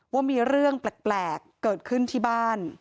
ว่ามีเรื่องแปลกเกิดขึ้นที่บ้าน